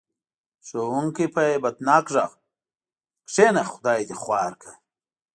ښوونکي په هیبت ناک غږ: کېنه خدای دې خوار کړه.